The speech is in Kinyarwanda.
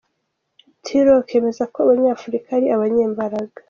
T Rock yemeza ko Abanyafurika ari abanyembaraga.